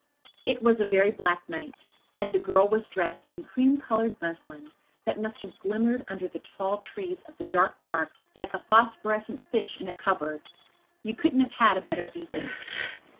It was a very black night and the girl was dressed in cream coloured muslin, that must have glimmered under the tall trees of the dark park like a phosphorescent fish in a cupboard. You couldn't have had a better beacon.